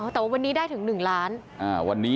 แต่ว่าวันนี้ได้ถึง๑ล้าน